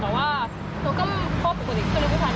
แต่ว่าหนูก็ปกติขึ้นลิฟต์ด้วยกัน